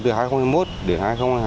từ hai nghìn một đến hai nghìn hai